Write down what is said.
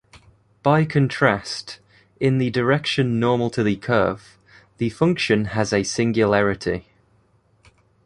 By contrast, in the direction normal to the curve, the function has a singularity.